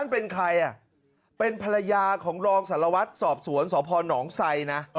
เป็นใครอ่ะเป็นภรรยาของรองสารวัตรสอบสวนสพนไซนะ